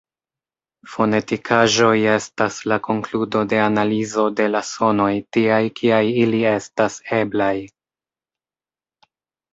Fonetikaĵoj estas la konkludo de analizo de la sonoj tiaj kiaj ili estas eblaj.